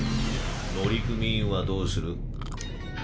乗組員はどうする？